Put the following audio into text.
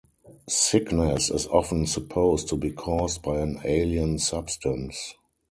Sickness is often supposed to be caused by an alien substance.